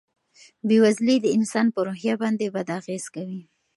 بېوزلي د انسان په روحیه باندې بد اغېز کوي.